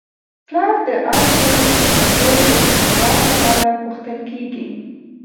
پلار د ارزو د پاسپورت د اعتبار په اړه پوښتل کیږي.